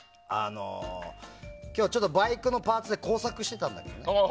今日、ちょっとバイクのパーツで工作してたんだけど。